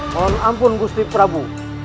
mohon ampun gusti prabu